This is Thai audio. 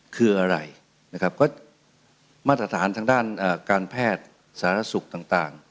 คืออะไรนะครับก็มาตรฐานทางด้านการแพทย์สาธารณสุขต่าง